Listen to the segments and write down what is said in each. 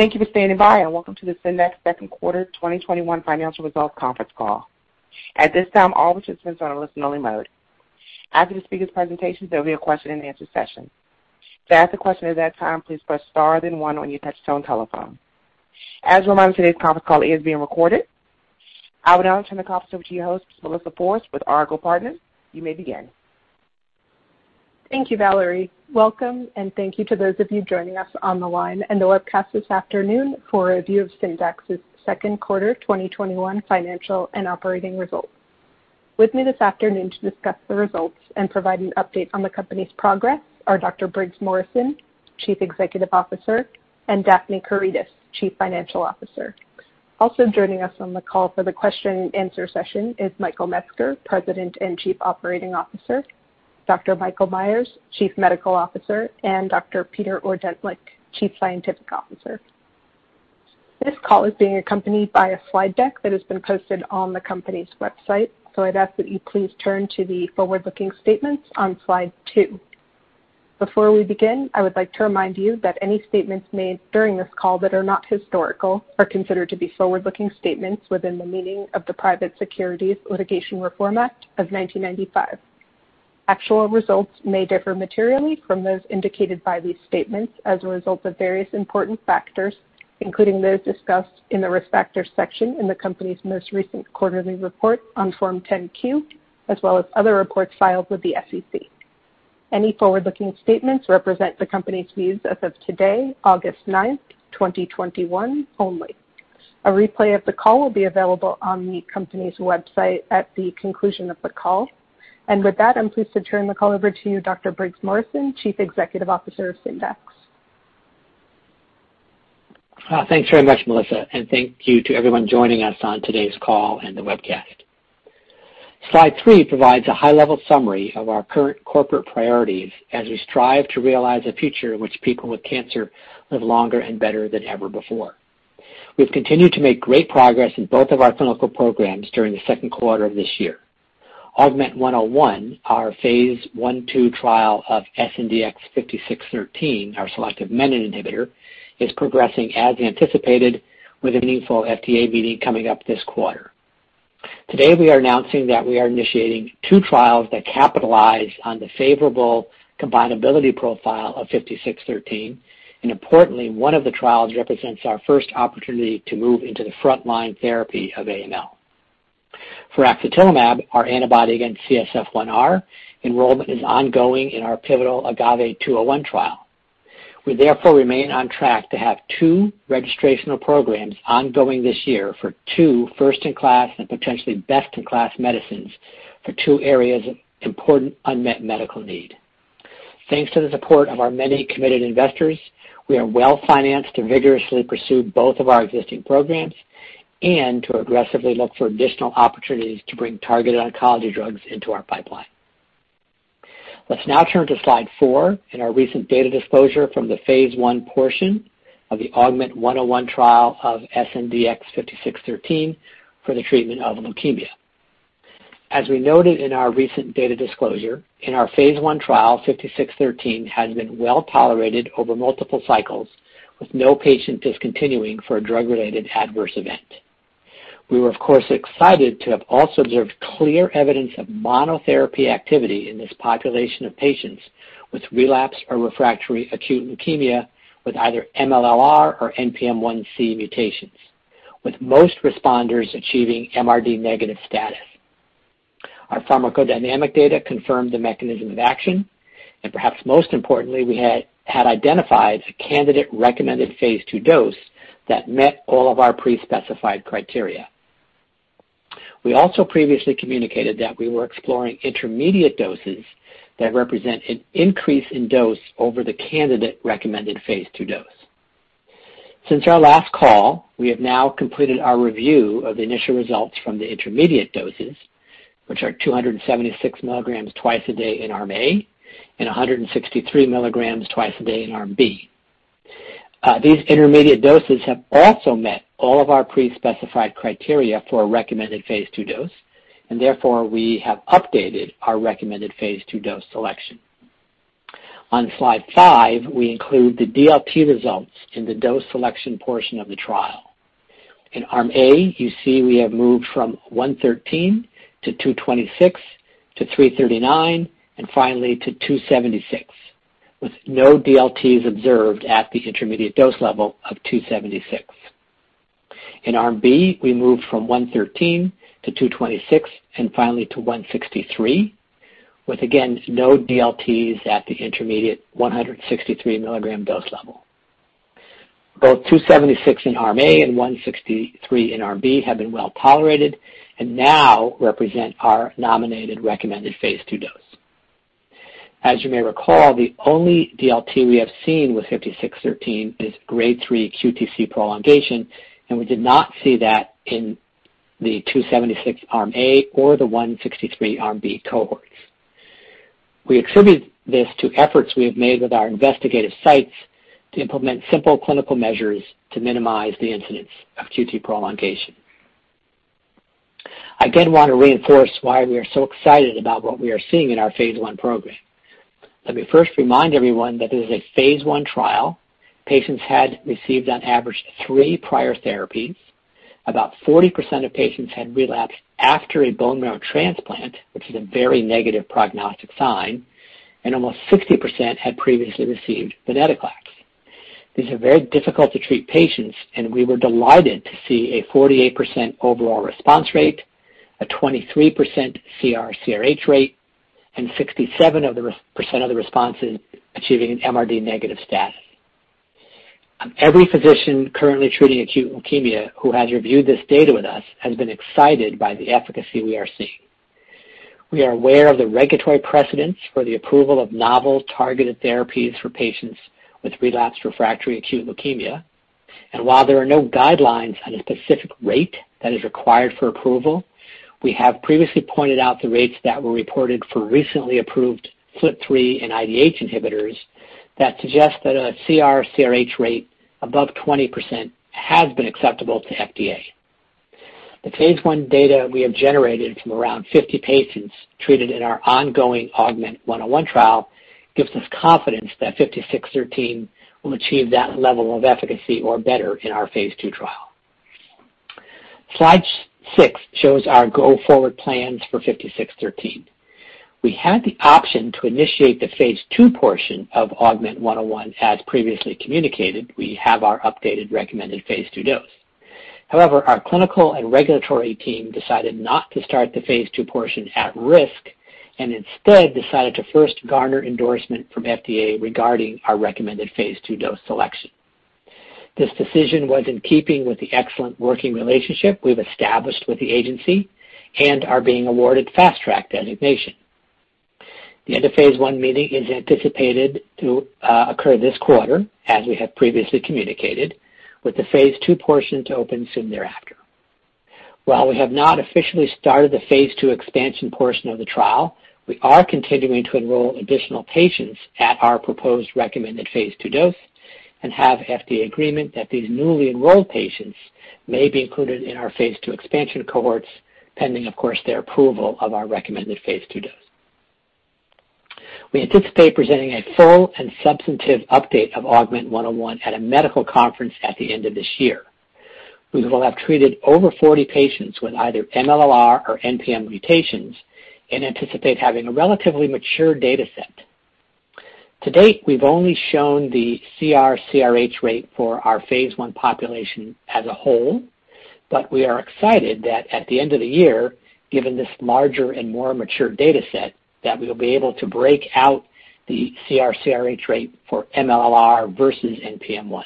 Thank you for standing by, and welcome to the Syndax Q2 2021 financial results conference call. At this time, all participants are in listen only mode. After the speakers' presentations, there will be a question and answer session. To ask a question at that time, please press star then 1 on your touchtone telephone. As a reminder, today's conference call is being recorded. I will now turn the conference over to your host, Melissa Forst with Argot Partners. You may begin. Thank you, Valerie. Welcome, and thank you to those of you joining us on the line and the webcast this afternoon for a review of Syndax's Q2 2021 financial and operating results. With me this afternoon to discuss the results and provide an update on the company's progress are Briggs Morrison, Chief Executive Officer, and Daphne Karydas, Chief Financial Officer. Also joining us on the call for the question and answer session is Michael Metzger, President and Chief Operating Officer, Michael Myers, Chief Medical Officer, and Peter Ordentlich, Chief Scientific Officer. This call is being accompanied by a slide deck that has been posted on the company's website. I'd ask that you please turn to the forward-looking statements on slide two. Before we begin, I would like to remind you that any statements made during this call that are not historical are considered to be forward-looking statements within the meaning of the Private Securities Litigation Reform Act of 1995. Actual results may differ materially from those indicated by these statements as a result of various important factors, including those discussed in the Risk Factors section in the company's most recent quarterly report on Form 10-Q, as well as other reports filed with the SEC. Any forward-looking statements represent the company's views as of today, August ninth, 2021 only. A replay of the call will be available on the company's website at the conclusion of the call. With that, I'm pleased to turn the call over to you, Dr. Briggs Morrison, Chief Executive Officer of Syndax. Thanks very much, Melissa, and thank you to everyone joining us on today's call and the webcast. Slide three provides a high-level summary of our current corporate priorities as we strive to realize a future in which people with cancer live longer and better than ever before. We've continued to make great progress in both of our clinical programs during the Q2 of this year. AUGMENT-101, our phase I/II trial of SNDX-5613, our selective menin inhibitor, is progressing as anticipated with a meaningful FDA meeting coming up this quarter. Today, we are announcing that we are initiating two trials that capitalize on the favorable combinability profile of 5613, and importantly, one of the trials represents our first opportunity to move into the frontline therapy of AML. For axatilimab, our antibody against CSF1R, enrollment is ongoing in our pivotal AGAVE-201 trial. We therefore remain on track to have two registrational programs ongoing this year for two first-in-class and potentially best-in-class medicines for two areas of important unmet medical need. Thanks to the support of our many committed investors, we are well-financed to vigorously pursue both of our existing programs and to aggressively look for additional opportunities to bring targeted oncology drugs into our pipeline. Let's now turn to slide four and our recent data disclosure from the phase I portion of the AUGMENT-101 trial of SNDX-5613 for the treatment of leukemia. As we noted in our recent data disclosure, in our phase I trial, 5613 has been well tolerated over multiple cycles, with no patient discontinuing for a drug-related adverse event. We were, of course, excited to have also observed clear evidence of monotherapy activity in this population of patients with relapsed or refractory acute leukemia with either MLL-r or NPM1c mutations, with most responders achieving MRD negative status. Our pharmacodynamic data confirmed the mechanism of action, and perhaps most importantly, we had identified a candidate recommended phase II dose that met all of our pre-specified criteria. We also previously communicated that we were exploring intermediate doses that represent an increase in dose over the candidate recommended phase II dose. Since our last call, we have now completed our review of the initial results from the intermediate doses, which are 276 milligrams twice a day in arm A and 163 milligrams twice a day in arm B. These intermediate doses have also met all of our pre-specified criteria for a recommended phase II dose. Therefore, we have updated our recommended phase II dose selection. On slide five, we include the DLT results in the dose selection portion of the trial. In arm A, you see we have moved from 113-226-339 and finally to 276, with no DLTs observed at the intermediate dose level of 276. In arm B, we moved from 113-226 and finally to 163, with again, no DLTs at the intermediate 163 milligram dose level. Both 276 in arm A and 163 in arm B have been well tolerated and now represent our nominated recommended phase II dose. As you may recall, the only DLT we have seen with 5613 is grade 3 QTc prolongation, and we did not see that in the 276 arm A or the 163 arm B cohorts. We attribute this to efforts we have made with our investigative sites to implement simple clinical measures to minimize the incidence of QT prolongation. I again want to reinforce why we are so excited about what we are seeing in our phase I program. Let me first remind everyone that this is a phase I trial. Patients had received on average three prior therapies. About 40% of patients had relapsed after a bone marrow transplant, which is a very negative prognostic sign, and almost 60% had previously received venetoclax. These are very difficult to treat patients, and we were delighted to see a 48% overall response rate, a 23% CR/CRh rate, and 67% of the responses achieving an MRD negative status. Every physician currently treating acute leukemia who has reviewed this data with us has been excited by the efficacy we are seeing. We are aware of the regulatory precedents for the approval of novel targeted therapies for patients with relapsed refractory acute leukemia. While there are no guidelines on a specific rate that is required for approval, we have previously pointed out the rates that were reported for recently approved FLT3 and IDH inhibitors that suggest that a CR/CRh rate above 20% has been acceptable to FDA. The Phase I data we have generated from around 50 patients treated in our ongoing AUGMENT-101 trial gives us confidence that 5613 will achieve that level of efficacy or better in our Phase II trial. Slide six shows our go-forward plans for 5613. We had the option to initiate the Phase II portion of AUGMENT-101. As previously communicated, we have our updated recommended Phase II dose. However, our clinical and regulatory team decided not to start the Phase II portion at risk and instead decided to first garner endorsement from FDA regarding our recommended Phase II dose selection. This decision was in keeping with the excellent working relationship we've established with the agency and our being awarded Fast Track designation. The end of Phase I meeting is anticipated to occur this quarter, as we have previously communicated, with the Phase II portion to open soon thereafter. While we have not officially started the phase II expansion portion of the trial, we are continuing to enroll additional patients at our proposed recommended phase II dose and have FDA agreement that these newly enrolled patients may be included in our phase II expansion cohorts, pending, of course, their approval of our recommended phase II dose. We anticipate presenting a full and substantive update of AUGMENT-101 at a medical conference at the end of this year. We will have treated over 40 patients with either MLL-r or NPM1 mutations and anticipate having a relatively mature data set. To date, we've only shown the CR/CRh rate for our phase I population as a whole, but we are excited that at the end of the year, given this larger and more mature data set, that we will be able to break out the CR/CRh rate for MLL-r versus NPM1.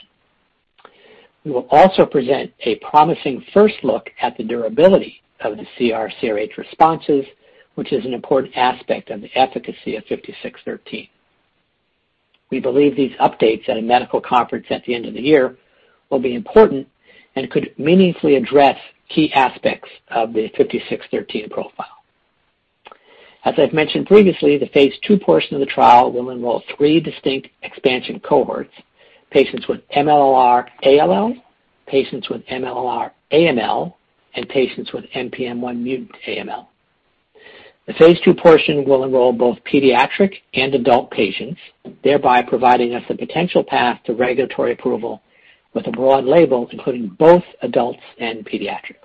We will also present a promising first look at the durability of the CR/CRh responses, which is an important aspect of the efficacy of 5613. We believe these updates at a medical conference at the end of the year will be important and could meaningfully address key aspects of the 5613 profile. As I've mentioned previously, the phase II portion of the trial will enroll three distinct expansion cohorts, patients with MLL-r ALL, patients with MLL-r AML, and patients with NPM1 mutant AML. The phase II portion will enroll both pediatric and adult patients, thereby providing us a potential path to regulatory approval with a broad label including both adults and pediatrics.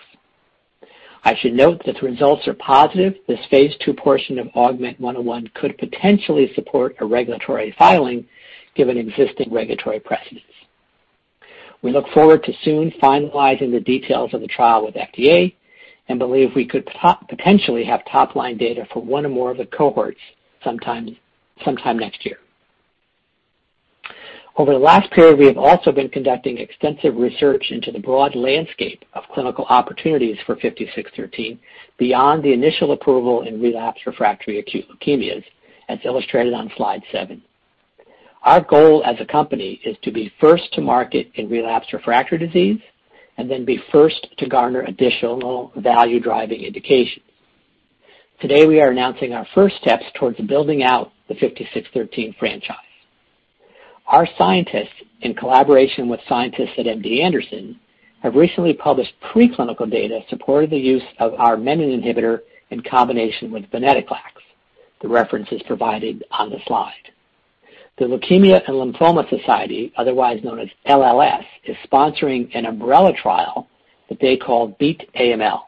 I should note that if results are positive, this phase II portion of AUGMENT-101 could potentially support a regulatory filing given existing regulatory precedents. We look forward to soon finalizing the details of the trial with FDA and believe we could potentially have top-line data for one or more of the cohorts sometime next year. Over the last period, we have also been conducting extensive research into the broad landscape of clinical opportunities for 5613 beyond the initial approval in relapsed refractory acute leukemias, as illustrated on slide seven. Our goal as a company is to be first to market in relapsed refractory disease and then be first to garner additional value-driving indications. Today, we are announcing our first steps towards building out the 5613 franchise. Our scientists, in collaboration with scientists at MD Anderson, have recently published preclinical data supporting the use of our menin inhibitor in combination with venetoclax. The reference is provided on the slide. The Leukemia & Lymphoma Society, otherwise known as LLS, is sponsoring an umbrella trial that they call Beat AML.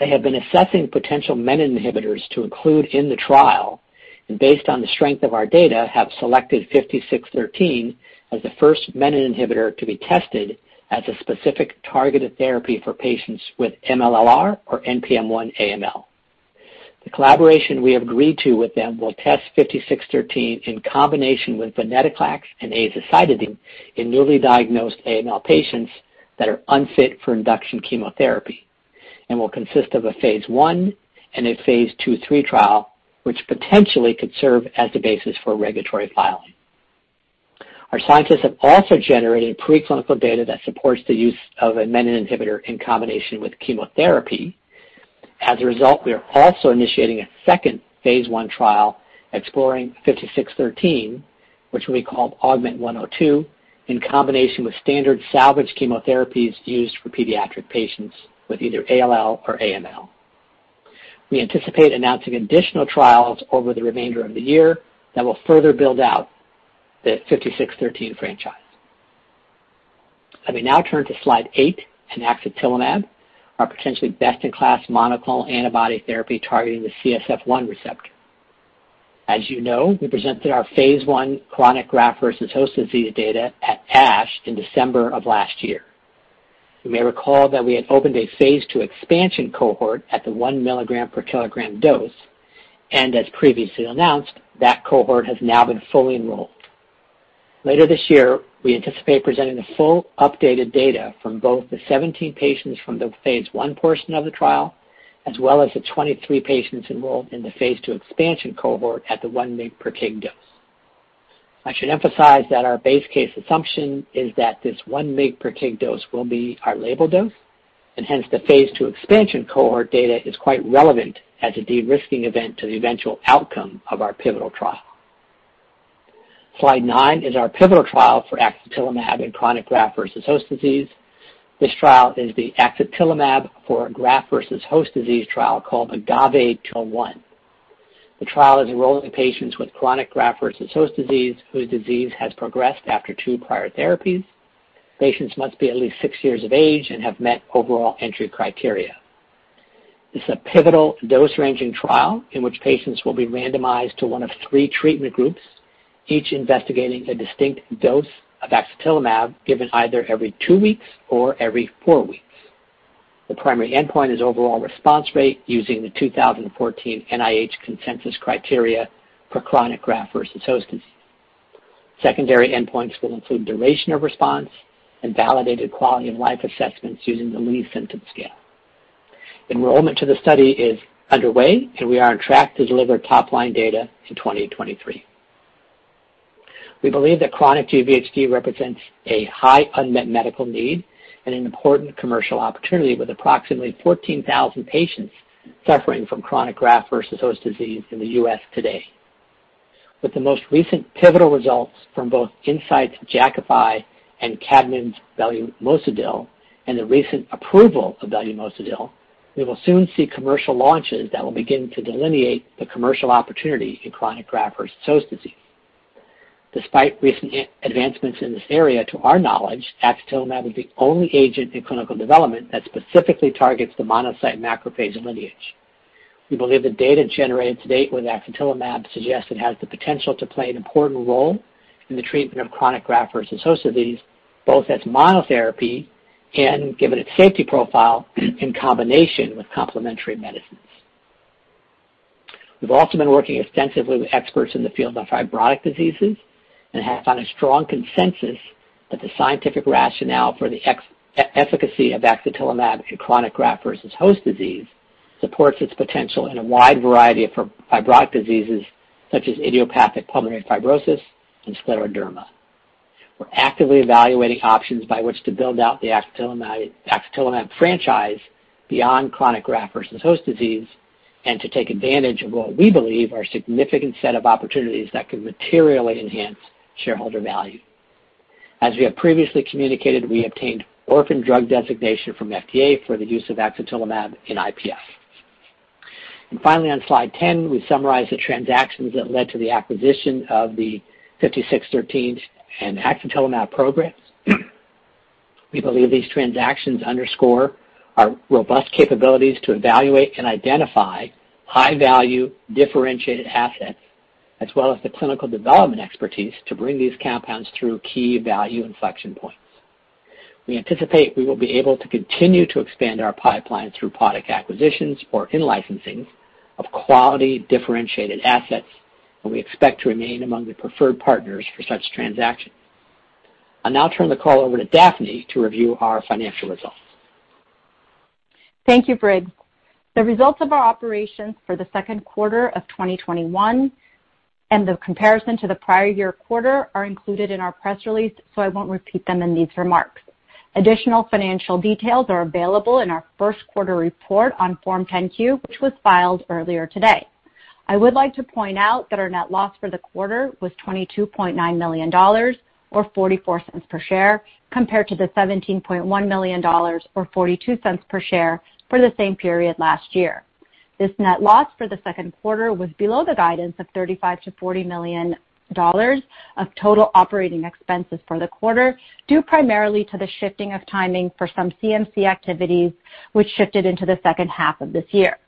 They have been assessing potential menin inhibitors to include in the trial, and based on the strength of our data, have selected 5613 as the first menin inhibitor to be tested as a specific targeted therapy for patients with MLL-r or NPM1 AML. The collaboration we have agreed to with them will test 5613 in combination with venetoclax and azacitidine in newly diagnosed AML patients that are unfit for induction chemotherapy and will consist of a phase I and a phase II-III trial, which potentially could serve as the basis for regulatory filing. Our scientists have also generated preclinical data that supports the use of a menin inhibitor in combination with chemotherapy. As a result, we are also initiating a second phase I trial exploring 5613, which will be called AUGMENT-102, in combination with standard salvage chemotherapies used for pediatric patients with either ALL or AML. We anticipate announcing additional trials over the remainder of the year that will further build out the 5613 franchise. Let me now turn to slide eight and axatilimab, our potentially best-in-class monoclonal antibody therapy targeting the CSF1 receptor. As you know, we presented our phase I chronic graft-versus-host disease data at ASH in December of last year. You may recall that we had opened a phase II expansion cohort at the 1 milligram per kilogram dose. As previously announced, that cohort has now been fully enrolled. Later this year, we anticipate presenting the full updated data from both the 17 patients from the phase I portion of the trial, as well as the 23 patients enrolled in the phase II expansion cohort at the 1 mg per kg dose. I should emphasize that our base case assumption is that this 1 mg per kg dose will be our label dose, and hence the phase II expansion cohort data is quite relevant as a de-risking event to the eventual outcome of our pivotal trial. Slide nine is our pivotal trial for axatilimab in chronic graft versus host disease. This trial is the axatilimab for a graft versus host disease trial called AGAVE-201. The trial is enrolling patients with chronic graft versus host disease whose disease has progressed after two prior therapies. Patients must be at least six years of age and have met overall entry criteria. This is a pivotal dose ranging trial in which patients will be randomized to one of three treatment groups, each investigating a distinct dose of axatilimab given either every two weeks or every four weeks. The primary endpoint is overall response rate using the 2014 NIH consensus criteria for chronic graft-versus-host disease. Secondary endpoints will include duration of response and validated quality of life assessments using the Lee Symptom Scale. Enrollment to the study is underway, and we are on track to deliver top-line data in 2023. We believe that chronic GVHD represents a high unmet medical need and an important commercial opportunity with approximately 14,000 patients suffering from chronic graft-versus-host disease in the U.S. today. With the most recent pivotal results from both Incyte's Jakafi and Kadmon's belumosudil, and the recent approval of belumosudil, we will soon see commercial launches that will begin to delineate the commercial opportunity in chronic graft-versus-host disease. Despite recent advancements in this area, to our knowledge, axatilimab is the only agent in clinical development that specifically targets the monocyte macrophage lineage. We believe the data generated to date with axatilimab suggests it has the potential to play an important role in the treatment of chronic graft-versus-host disease, both as monotherapy and given its safety profile in combination with complementary medicines. We've also been working extensively with experts in the field of fibrotic diseases and have found a strong consensus that the scientific rationale for the efficacy of axatilimab in chronic graft versus host disease supports its potential in a wide variety of fibrotic diseases such as idiopathic pulmonary fibrosis and scleroderma. We're actively evaluating options by which to build out the axatilimab franchise beyond chronic graft versus host disease and to take advantage of what we believe are significant set of opportunities that could materially enhance shareholder value. As we have previously communicated, we obtained orphan drug designation from FDA for the use of axatilimab in IPF. Finally, on slide 10, we summarize the transactions that led to the acquisition of the 5613 and axatilimab programs. We believe these transactions underscore our robust capabilities to evaluate and identify high-value differentiated assets as well as the clinical development expertise to bring these compounds through key value inflection points. We anticipate we will be able to continue to expand our pipeline through product acquisitions or in-licensing of quality differentiated assets, and we expect to remain among the preferred partners for such transactions. I'll now turn the call over to Daphne to review our financial results. Thank you, Briggs. The results of our operations for the Q2 of 2021 and the comparison to the prior year quarter are included in our press release, so I won't repeat them in these remarks. Additional financial details are available in our Q1 report on Form 10-Q, which was filed earlier today. I would like to point out that our net loss for the quarter was $22.9 million, or $0.44 per share, compared to the $17.1 million or $0.42 per share for the same period last year. This net loss for the Q2 was below the guidance of $35 million-$40 million of total operating expenses for the quarter, due primarily to the shifting of timing for some CMC activities, which shifted into the second half of this year.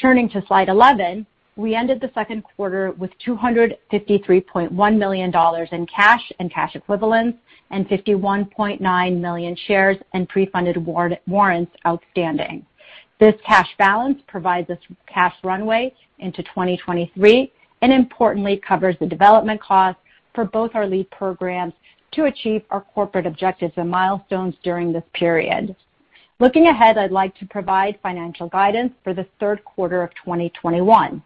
Turning to slide 11, we ended the Q2 with $253.1 million in cash and cash equivalents and 51.9 million shares in pre-funded warrants outstanding. This cash balance provides us cash runway into 2023 and importantly covers the development cost for both our lead programs to achieve our corporate objectives and milestones during this period. Looking ahead, I'd like to provide financial guidance for the Q3 of 2021.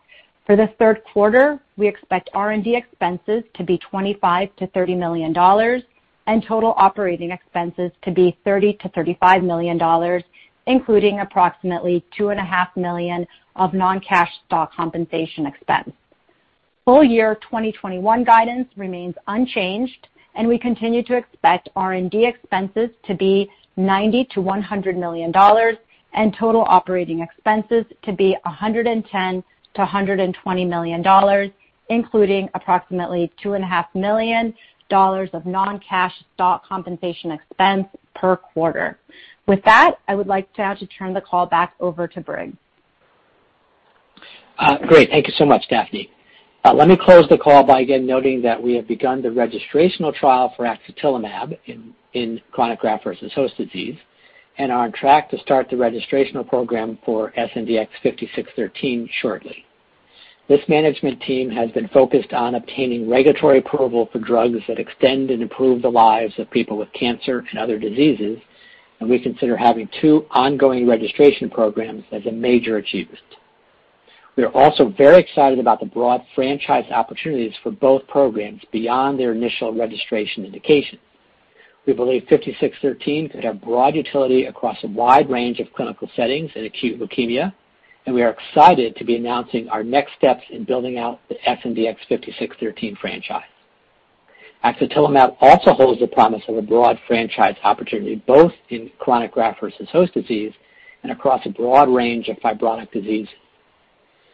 For the Q3, we expect R&D expenses to be $25 million-$30 million, and total operating expenses to be $30 million-$35 million, including approximately $2.5 million of non-cash stock compensation expense. Full year 2021 guidance remains unchanged, and we continue to expect R&D expenses to be $90 million-$100 million and total operating expenses to be $110 million-$120 million, including approximately $2.5 million of non-cash stock compensation expense per quarter. With that, I would like now to turn the call back over to Briggs Morrison. Great. Thank you so much, Daphne. Let me close the call by again noting that we have begun the registrational trial for axatilimab in chronic graft-versus-host disease and are on track to start the registrational program for SNDX-5613 shortly. This management team has been focused on obtaining regulatory approval for drugs that extend and improve the lives of people with cancer and other diseases, and we consider having two ongoing registration programs as a major achievement. We are also very excited about the broad franchise opportunities for both programs beyond their initial registration indication. We believe 5613 could have broad utility across a wide range of clinical settings in acute leukemia, and we are excited to be announcing our next steps in building out the SNDX-5613 franchise. axatilimab also holds the promise of a broad franchise opportunity, both in chronic graft-versus-host disease and across a broad range of fibrotic diseases.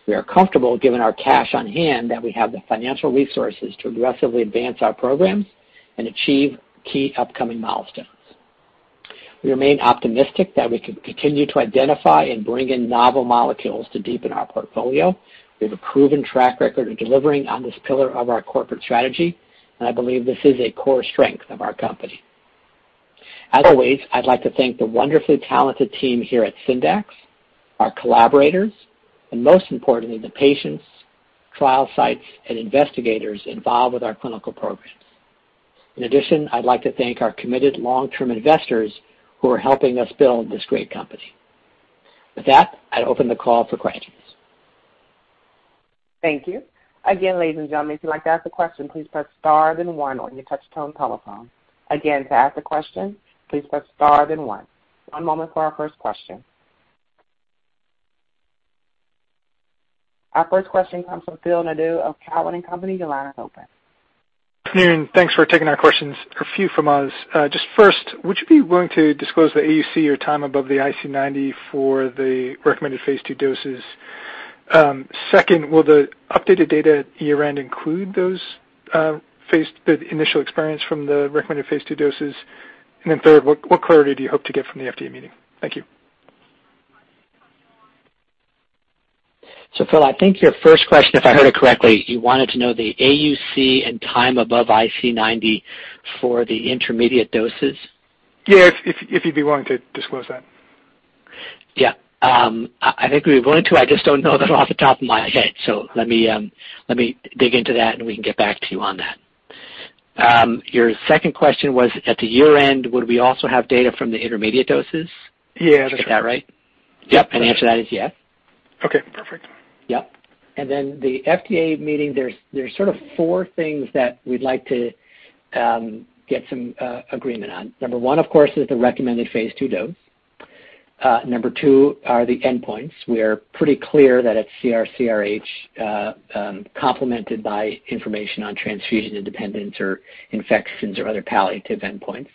We are comfortable, given our cash on hand, that we have the financial resources to aggressively advance our programs and achieve key upcoming milestones. We remain optimistic that we can continue to identify and bring in novel molecules to deepen our portfolio. We have a proven track record of delivering on this pillar of our corporate strategy, and I believe this is a core strength of our company. As always, I'd like to thank the wonderfully talented team here at Syndax, our collaborators, and most importantly, the patients, trial sites, and investigators involved with our clinical programs. In addition, I'd like to thank our committed long-term investors who are helping us build this great company. With that, I'd open the call for questions. Thank you. Again, ladies and gentlemen, if you'd like to ask a question, please press star then one on your touch-tone telephone. Again, to ask a question, please press star then one. One moment for our first question. Our first question comes from Phil Nadeau of Cowen and Company. Your line is open. Good afternoon. Thanks for taking our questions, a few from us. Just first, would you be willing to disclose the AUC or time above the IC90 for the recommended phase II doses? Second, will the updated data at year-end include the initial experience from the recommended phase II doses? Third, what clarity do you hope to get from the FDA meeting? Thank you. Phil, I think your first question, if I heard it correctly, you wanted to know the AUC and time above IC90 for the intermediate doses? Yeah, if you'd be willing to disclose that. Yeah. I think we're willing to, I just don't know them off the top of my head. Let me dig into that, and we can get back to you on that. Your second question was, at the year-end, would we also have data from the intermediate doses? Yeah, that's right. Did I get that right? Yep. The answer to that is yes. Okay, perfect. Yep. then the FDA meeting, there's sort of four things that we'd like to get some agreement on. Number one, of course, is the recommended phase II dose. Number two are the endpoints. We are pretty clear that it's CR/CRh, complemented by information on transfusion independence or infections or other palliative endpoints.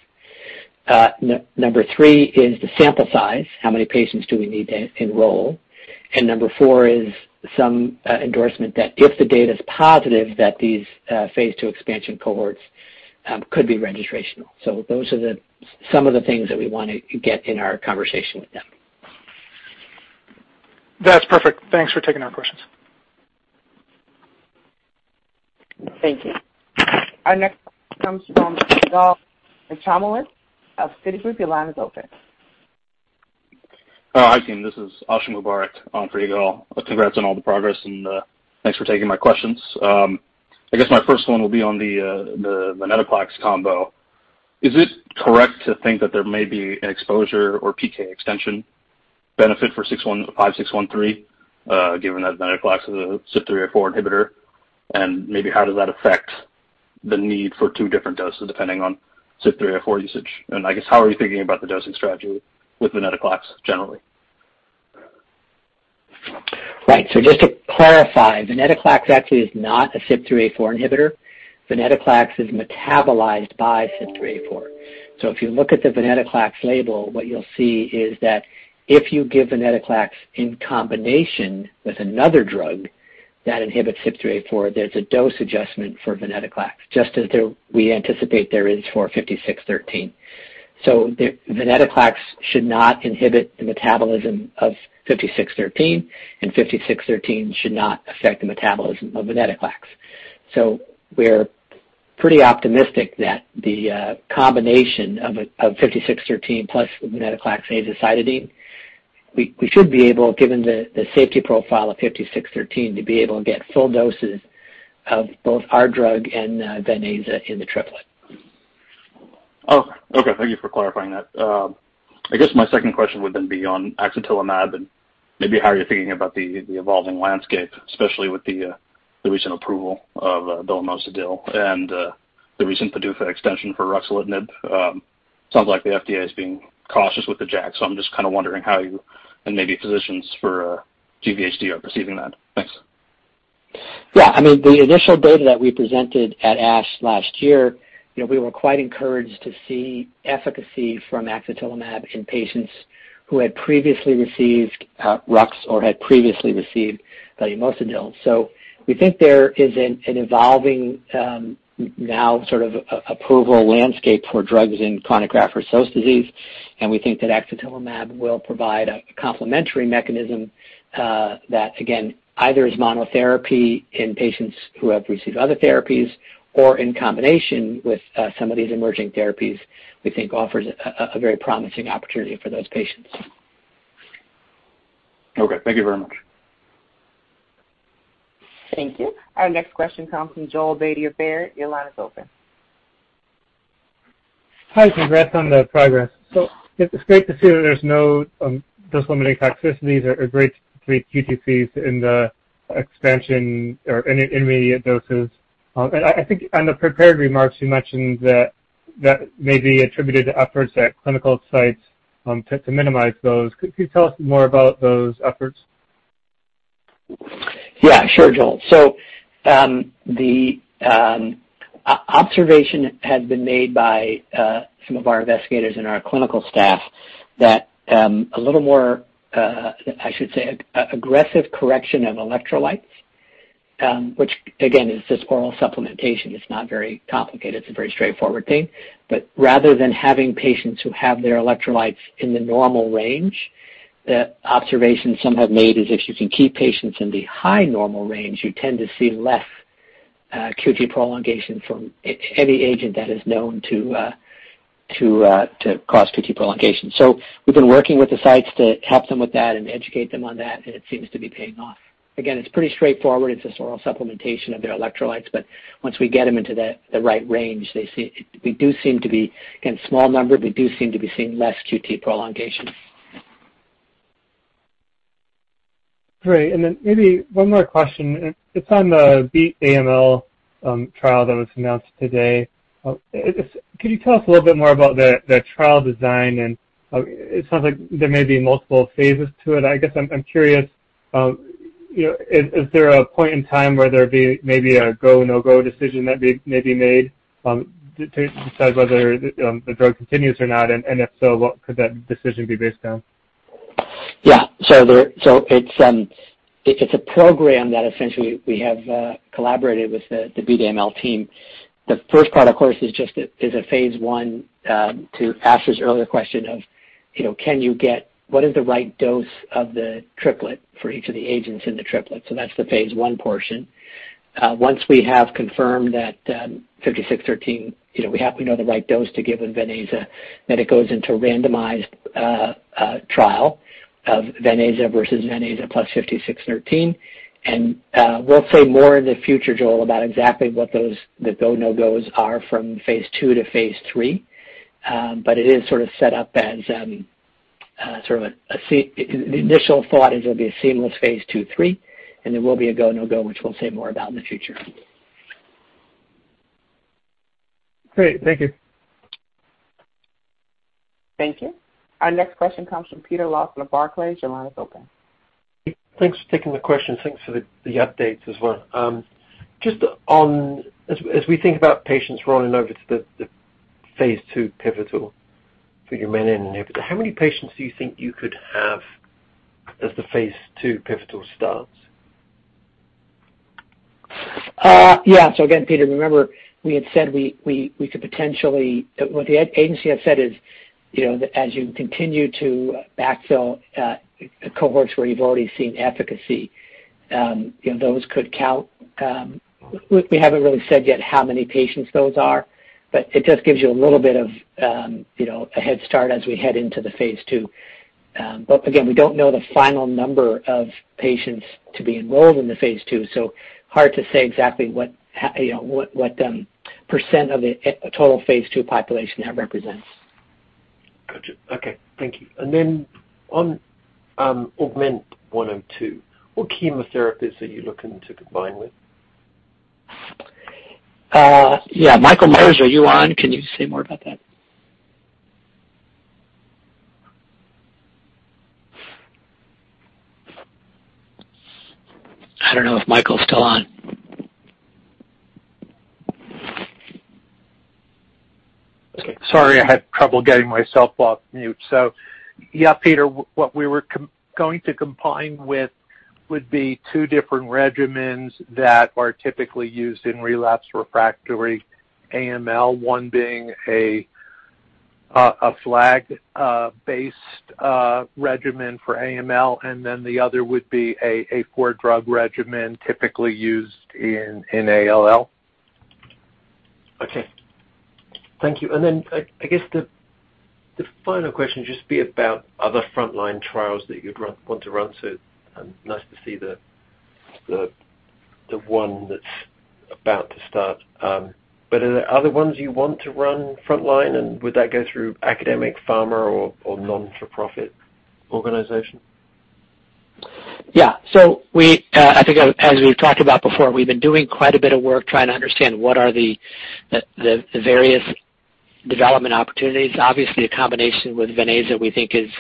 Number three is the sample size. How many patients do we need to enroll? number four is some endorsement that if the data's positive, that these phase II expansion cohorts could be registrational. those are some of the things that we want to get in our conversation with them. That's perfect. Thanks for taking our questions. Thank you. Our next question comes from Jagat Jamwal of Citigroup. Your line is open. Hi, team. This is Ashiq Mubarack for Jagat. Congrats on all the progress and thanks for taking my questions. I guess my first one will be on the venetoclax combo. Is it correct to think that there may be an exposure or PK extension benefit for 5613, given that venetoclax is a CYP3A4 inhibitor? Maybe how does that affect the need for two different doses depending on CYP3A4 usage? I guess how are you thinking about the dosing strategy with venetoclax generally? Right. Just to clarify, venetoclax actually is not a CYP3A4 inhibitor. venetoclax is metabolized by CYP3A4. If you look at the venetoclax label, what you'll see is that if you give venetoclax in combination with another drug that inhibits CYP3A4, there's a dose adjustment for venetoclax, just as we anticipate there is for 5613. venetoclax should not inhibit the metabolism of 5613, and 5613 should not affect the metabolism of venetoclax. We're pretty optimistic that the combination of 5613 plus venetoclax azacitidine, we should be able, given the safety profile of 5613, to be able to get full doses of both our drug and venaza in the triplet. Oh, okay. Thank you for clarifying that. I guess my second question would then be on axatilimab and maybe how you're thinking about the evolving landscape, especially with the recent approval of belumosudil and the recent PDUFA extension for ruxolitinib. Sounds like the FDA is being cautious with the JAK, so I'm just kind of wondering how you and maybe physicians for GVHD are perceiving that. Thanks. Yeah, the initial data that we presented at ASH last year, we were quite encouraged to see efficacy from axatilimab in patients who had previously received Rux or had previously received belumosudil. We think there is an evolving approval landscape for drugs in chronic graft-versus-host disease, and we think that axatilimab will provide a complementary mechanism that, again, either as monotherapy in patients who have received other therapies or in combination with some of these emerging therapies, we think offers a very promising opportunity for those patients. Okay. Thank you very much. Thank you. Our next question comes from Joel Beatty of Baird. Your line is open. Hi. Congrats on the progress. It's great to see that there's no dose-limiting toxicities or Grade 3 QTcs in the expansion or in immediate doses. I think on the prepared remarks, you mentioned that may be attributed to efforts at clinical sites to minimize those. Could you tell us more about those efforts? Yeah. Sure, Joel. The observation had been made by some of our investigators and our clinical staff that a little more, I should say, aggressive correction of electrolytes, which again, is just oral supplementation. It's not very complicated. It's a very straightforward thing. Rather than having patients who have their electrolytes in the normal range, the observation some have made is if you can keep patients in the high normal range, you tend to see less QT prolongation from any agent that is known to cause QT prolongation. We've been working with the sites to help them with that and educate them on that, and it seems to be paying off. Again, it's pretty straightforward. It's just oral supplementation of their electrolytes, but once we get them into the right range, in small number, we do seem to be seeing less QT prolongation. Great. maybe one more question. It's on the Beat AML trial that was announced today. Could you tell us a little bit more about the trial design? it sounds like there may be multiple phases to it. I guess I'm curious, is there a point in time where there'd be maybe a go, no-go decision that'd be maybe made to decide whether the drug continues or not? if so, what could that decision be based on? Yeah. It's a program that essentially we have collaborated with the Beat AML team. The first part, of course, is a phase I to answer this earlier question of what is the right dose of the triplet for each of the agents in the triplet. That's the phase I portion. Once we have confirmed that 5613, we happen to know the right dose to give with venetoclax, then it goes into a randomized trial of venetoclax versus venetoclax plus 5613. We'll say more in the future, Joel, about exactly what those, the go, no-gos are from phase II to phase III. It is sort of set up as sort of the initial thought is it'll be a seamless phase II-III, and there will be a go, no-go, which we'll say more about in the future. Great. Thank you. Thank you. Our next question comes from Peter Lawson of Barclays. Your line is open. Thanks for taking the questions. Thanks for the updates as well. As we think about patients rolling over to the phase II pivotal for your menin inhibitor, how many patients do you think you could have as the phase II pivotal starts? Yeah. Again, Peter, remember what the agency had said is as you continue to backfill cohorts where you've already seen efficacy, those could count. We haven't really said yet how many patients those are, but it just gives you a little bit of a head start as we head into the phase II. Again, we don't know the final number of patients to be enrolled in the phase II, so hard to say exactly what % of the total phase II population that represents. Got you. Okay. Thank you. on AUGMENT-102, what chemotherapies are you looking to combine with? Yeah. Michael Myers, are you on? Can you say more about that? I don't know if Michael's still on. Sorry, I had trouble getting myself off mute. yeah, Peter, what we were going to combine with would be two different regimens that are typically used in relapse refractory AML, one being a FLAG-based regimen for AML, and then the other would be a four-drug regimen typically used in NALL. Okay. Thank you. I guess the final question will just be about other frontline trials that you'd want to run soon. Nice to see the one that's about to start. Are there other ones you want to run frontline, and would that go through academic, pharma, or not-for-profit organization? Yeah. I think as we've talked about before, we've been doing quite a bit of work trying to understand what are the various development opportunities. Obviously, a combination with venetoclax we think is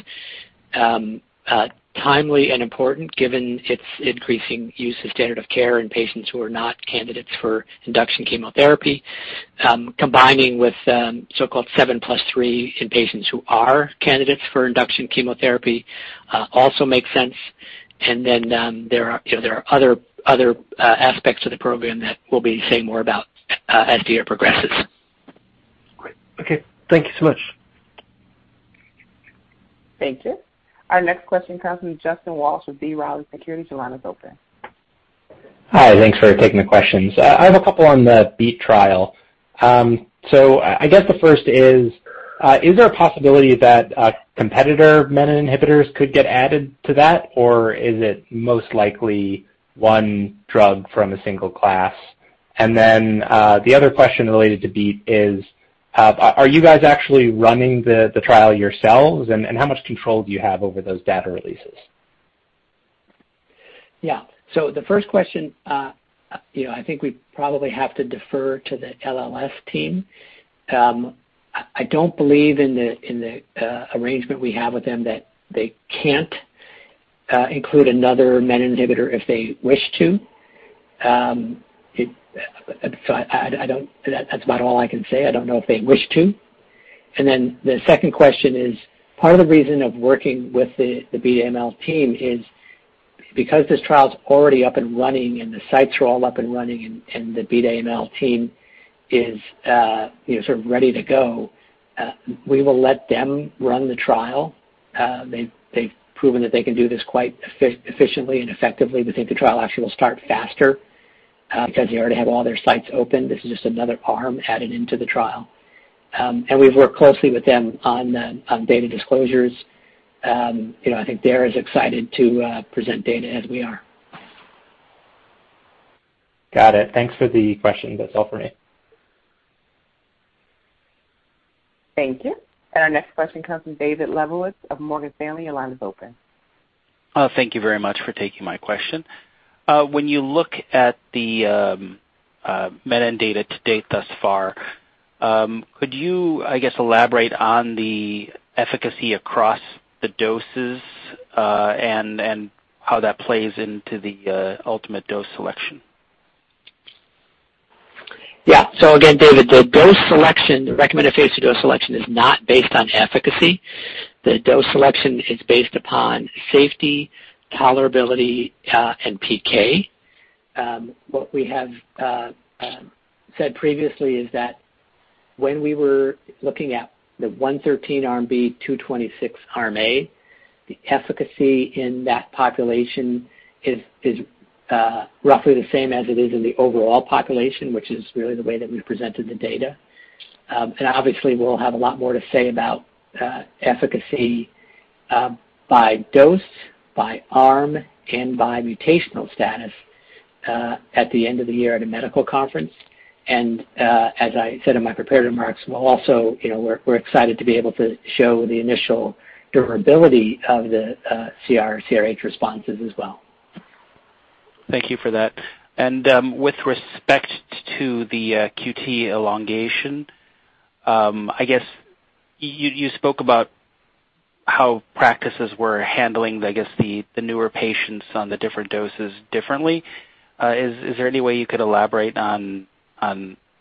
timely and important given its increasing use of standard of care in patients who are not candidates for induction chemotherapy. Combining with so-called seven plus three in patients who are candidates for induction chemotherapy also makes sense, and then there are other aspects of the program that we'll be saying more about as the year progresses. Great. Okay. Thank you so much. Thank you. Our next question comes from Justin Zelin with B. Riley Securities. Your line is open. Hi. Thanks for taking the questions. I have a couple on the BEAT trial. I guess the first is: Is there a possibility that competitor MEK inhibitors could get added to that, or is it most likely one drug from a single class? The other question related to BEAT is are you guys actually running the trial yourselves, and how much control do you have over those data releases? Yeah. The first question, I think we probably have to defer to the LLS team. I don't believe in the arrangement we have with them that they can't include another MEK inhibitor if they wish to. That's about all I can say. I don't know if they wish to. The second question is, part of the reason of working with the Beat AML team is because this trial's already up and running and the sites are all up and running and the Beat AML team is sort of ready to go, we will let them run the trial. They've proven that they can do this quite efficiently and effectively. We think the trial actually will start faster because they already have all their sites open. This is just another arm added into the trial. We've worked closely with them on data disclosures. I think they're as excited to present data as we are. Got it. Thanks for the question. That's all for me. Thank you. Our next question comes from David Lebovitz of Morgan Stanley. Your line is open. Thank you very much for taking my question. When you look at the MEK data to date thus far, could you, I guess, elaborate on the efficacy across the doses and how that plays into the ultimate dose selection? Yeah. again, David, the recommended phase II dose selection is not based on efficacy. The dose selection is based upon safety, tolerability, and PK. What we have said previously is that when we were looking at the 113 Arm B, 226 Arm A, the efficacy in that population is roughly the same as it is in the overall population, which is really the way that we presented the data. obviously, we'll have a lot more to say about efficacy by dose, by arm, and by mutational status at the end of the year at a medical conference. as I said in my prepared remarks, we're excited to be able to show the initial durability of the CR/CRh responses as well. Thank you for that. With respect to the QT elongation, I guess you spoke about how practices were handling, I guess, the newer patients on the different doses differently. Is there any way you could elaborate on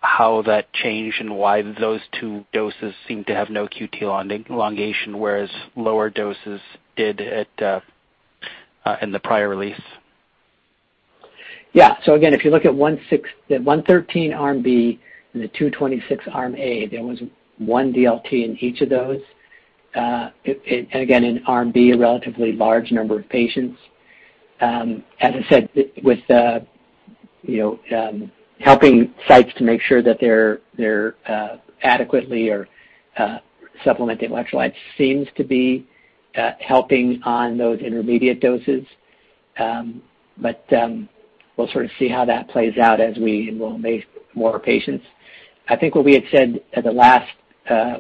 how that changed and why those two doses seem to have no QT elongation, whereas lower doses did in the prior release? Yeah. Again, if you look at 113 Arm B and the 226 Arm A, there was one DLT in each of those. Again, in Arm B, a relatively large number of patients. As I said, with helping sites to make sure that they're adequately or supplementing electrolytes seems to be helping on those intermediate doses, but we'll sort of see how that plays out as we enroll more patients. I think what we had said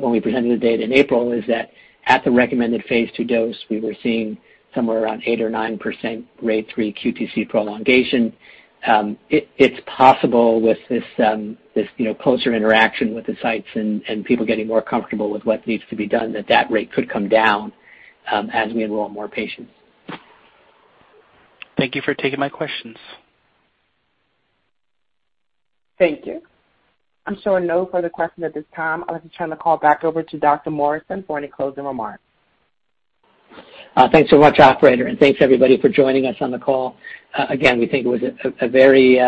when we presented the data in April is that at the recommended phase II dose, we were seeing somewhere around 8 or 9% Grade 3 QTc prolongation. It's possible with this closer interaction with the sites and people getting more comfortable with what needs to be done that that rate could come down as we enroll more patients. Thank you for taking my questions. Thank you. I'm showing no further questions at this time. I'd like to turn the call back over to Dr. Morrison for any closing remarks. Thanks so much, operator, and thanks everybody for joining us on the call. Again, we think it was a very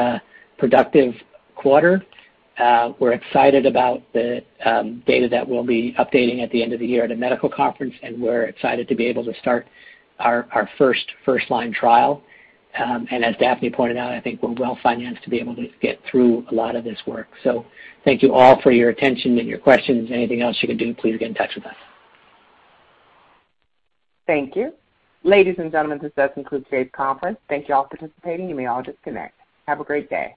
productive quarter. We're excited about the data that we'll be updating at the end of the year at a medical conference, and we're excited to be able to start our first line trial. As Daphne pointed out, I think we're well-financed to be able to get through a lot of this work. Thank you all for your attention and your questions. Anything else you can do, please get in touch with us. Thank you. Ladies and gentlemen, this does conclude today's conference. Thank you all for participating. You may all disconnect. Have a great day.